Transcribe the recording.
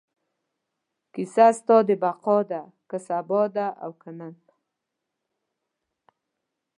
کیسه ستا د بقا ده، که سبا ده او که نن